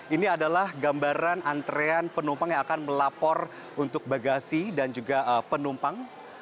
ini adalah gambaran antrean penumpang yang akan melapor untuk bagasi dan juga penumpang